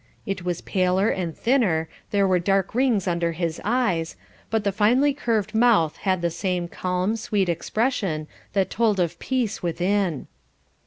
It was paler and thinner, there were dark rings under the eyes, but the finely curved mouth had the same calm, sweet expression that told of peace within.